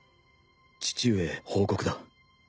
父上へ報告だ。